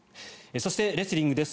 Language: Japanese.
そして、レスリングです。